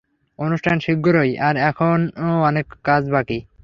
অনুষ্ঠান শীঘ্রই আর এখনো অনেক কাজ বাকি।